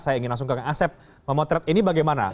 saya ingin langsung kak asep memotret ini bagaimana